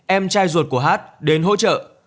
em trai ruột của h đến hỗ trợ